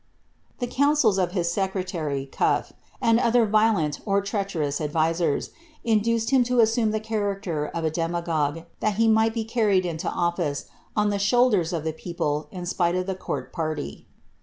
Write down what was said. '' The coiincils of his secretaiy, Cuflfe, and other violent or treftcheroue adriaers, induced him to assume the character of a dema gogue, that he might he carried into office, on the shoulders of the peo ple, in spite of the court party.